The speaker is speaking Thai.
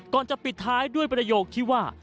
ก่อนจะปิดท้ายด้วยประโยคที่ว่า